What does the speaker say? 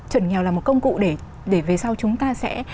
chuẩn nghèo là một công cụ để về sau chúng ta sẽ